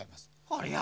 ありゃ。